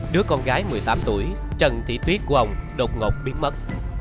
đứa con gái một mươi tám tuổi trần thị tuyết của ông đột ngột biến mất